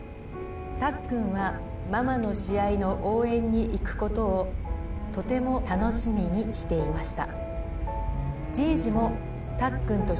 たっくんはママの試合の応援に行くことをとても楽しみにしていました。